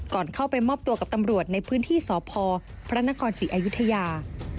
ก่อนเข้าไปมอบตัวกับตำรวจในพื้นที่สพพระนครศรีอายุทยา